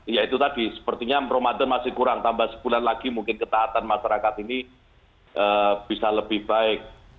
ya itu tadi sepertinya ramadan masih kurang tambah sebulan lagi mungkin ketaatan masyarakat ini bisa lebih baik